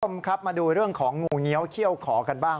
มาดูเรื่องของงูเงี๋าเคี้ยวขอกันบ้าง